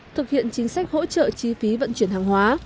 thực hiện chính sách hỗ trợ chi phí vận chuyển hàng hóa